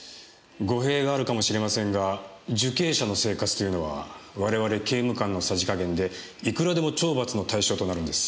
語弊があるかもしれませんが受刑者の生活というのは我々刑務官のさじ加減でいくらでも懲罰の対象となるんです。